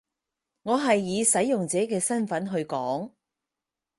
我係以使用者嘅身分去講